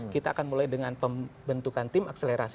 kita akan mulai dengan pembentukan tim akselerasi